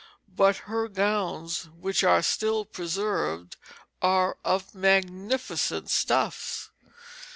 But her gowns, which are still preserved, are of magnificent stuffs.